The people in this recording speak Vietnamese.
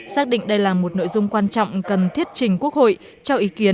xác định đây là một nội dung quan trọng cần thiết trình quốc hội cho ý kiến